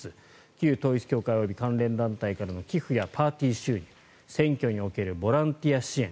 旧統一教会及び関連団体からの寄付やパーティー収入選挙におけるボランティア支援